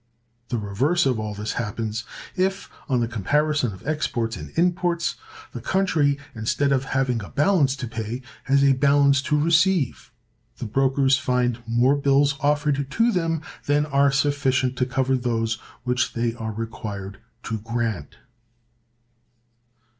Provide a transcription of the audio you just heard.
The reverse of all this happens, if, on the comparison of exports and imports, the country, instead of having a balance to pay, has a balance to receive. The brokers find more bills offered to them than are sufficient to cover those which they are required to grant.